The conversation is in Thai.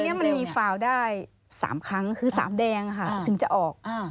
เดินมันมีฟาล์ลได้๓ครั้งคือ๓แดงค่ะจึงจะออก